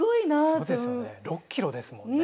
そうですよね６キロですもんね。